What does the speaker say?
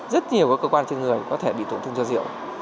rất nhiều các cơ quan trên người có thể bị tổn thương do rượu